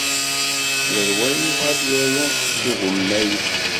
Yal wa yebɣa ad yaru s ugemmay-is.